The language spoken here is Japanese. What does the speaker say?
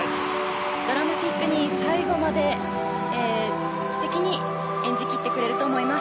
ドラマチックに最後まで素敵に演じ切ってくれると思います。